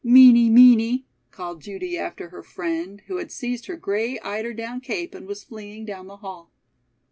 "Meany, meany," called Judy after her friend, who had seized her gray eider down cape and was fleeing down the hall.